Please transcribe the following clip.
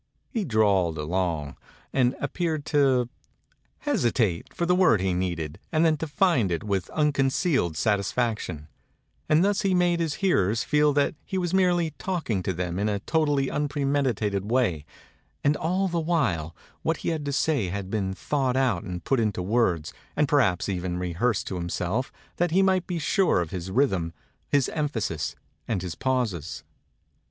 He drawled along and appeared to hesi tate for the word he needed and then to find it with unconcealed satisfaction; and thus he made his hearers feel that he was merely talking to them in a totally unpremeditated way, and all the while what he had to say had been thought out and put into words, and perhaps even re hearsed to himself that he might be sure of his rhythm, his emphasis, and his pauses.